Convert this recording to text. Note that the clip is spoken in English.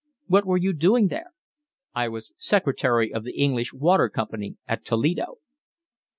"What were you doing there?" "I was secretary of the English water company at Toledo."